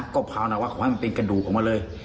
ก็ภาวนาวะขอให้มันเป็นกระดูกออกมาเลย